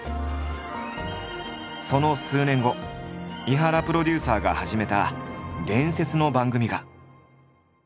その数年後井原プロデューサーが始めた伝説の番組が。